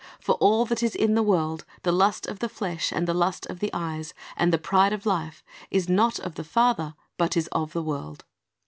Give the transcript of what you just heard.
For all that is in the world, the lust of the flesh, and the lust of the eyes, and the the pride of life, is not of the Father, but is of the world."'